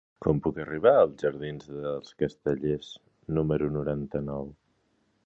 Com puc arribar als jardins dels Castellers número noranta-nou?